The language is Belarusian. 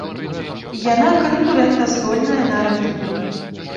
Яна канкурэнтаздольная на рынку.